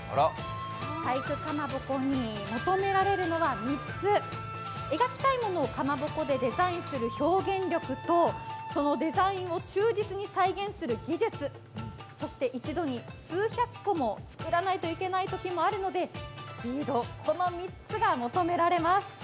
細工かまぼこに求められるのは３つ描きたいものをかまぼこで表現する表現力そのデザインを忠実に再現する技術、そして一度に数百個も作らないといけないときもあるので、スピード、この３つが求められます。